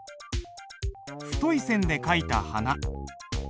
太い線で書いた「花」。